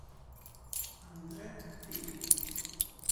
André Phillips